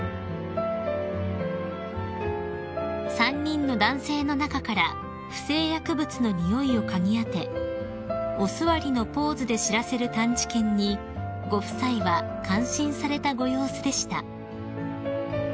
［３人の男性の中から不正薬物のにおいを嗅ぎ当てお座りのポーズで知らせる探知犬にご夫妻は感心されたご様子でした］